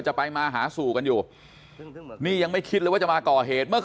จะไปมาหาสู่กันอยู่นี่ยังไม่คิดเลยว่าจะมาก่อเหตุเมื่อ